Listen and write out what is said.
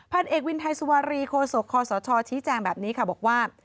เอกวินไทยสุวารีโคศกคอสชชี้แจงแบบนี้ค่ะบอกว่า